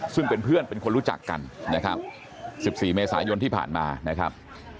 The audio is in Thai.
ซึ่งเป็นเพื่อนเป็นคนรู้จักกันนะครับ๑๔เมษายนที่ผ่านมานะครับ